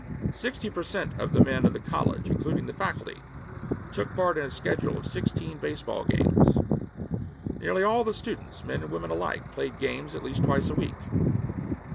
Sixty per cent of the men of the college, including the faculty, took part in a schedule of sixteen baseball games. Nearly all the students, men and women alike, played games at least twice a week.